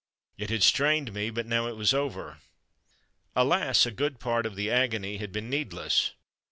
It had strained me, but now it was over. Alas, a good part of the agony had been needless.